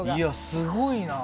すごいな。